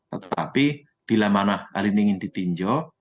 tetapi bila mana hari ini ingin ditinjau